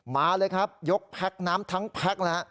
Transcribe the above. มาเลยครับยกแพ็กน้ำทั้งแพ็ก